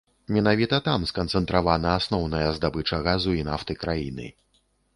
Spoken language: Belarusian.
Менавіта там сканцэнтравана асноўная здабыча газу і нафты краіны.